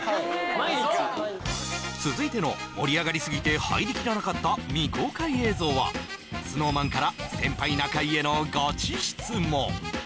毎日続いての盛り上がりすぎて入りきらなかった未公開映像はＳｎｏｗＭａｎから先輩中居へのガチ質問